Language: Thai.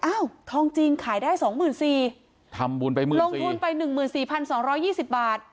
ทองจริงขายได้สองหมื่นสี่ทำบุญไปหมื่นลงทุนไปหนึ่งหมื่นสี่พันสองร้อยยี่สิบบาท